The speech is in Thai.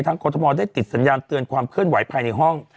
กรทมได้ติดสัญญาณเตือนความเคลื่อนไหวภายในห้อง